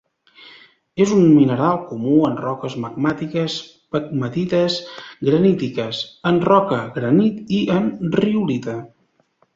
És un mineral comú en roques magmàtiques pegmatites granítiques, en roca granit i en riolita.